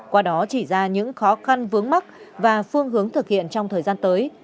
qua đó chỉ ra những khó khăn vướng mắt và phương hướng thực hiện trong thời gian tới